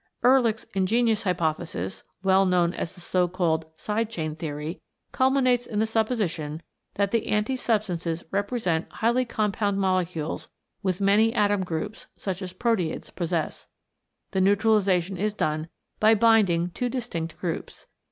Ehrlich's ingenious hypothesis, well known as the so called Side Chain Theory, culminates in the supposition that the anti substances represent highly compound molecules with many atom groups, such as proteids possess. The neutralisa tion is done by binding two distinct groups.